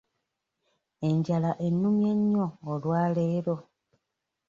Enjala ennumye nnyo olwaleero.